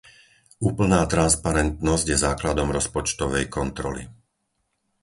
Úplná transparentnosť je základom rozpočtovej kontroly.